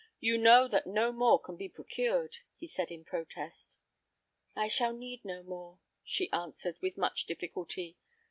You know that no more can be procured," he said, in protest. "I shall need no more," she answered, with much difficulty.